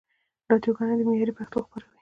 راډیوګاني دي معیاري پښتو خپروي.